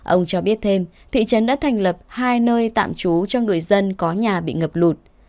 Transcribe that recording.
ông cho biết thêm thị trấn đã thành lập hai nơi tạm trú cho người dân có nhà bị ngập lụt